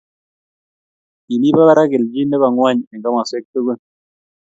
Kimi barak kelchin nebo ngwony eng komoswek tugul